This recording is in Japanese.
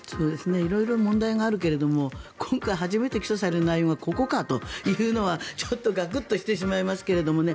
色々問題があるけれども今回、初めて起訴されるのはここかというのはちょっとガクッとしてしまいますけどね。